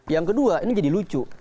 yang kedua ini jadi lucu